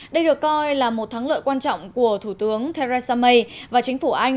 đây được coi là một thắng lợi quan trọng của thủ tướng theresa may và chính phủ anh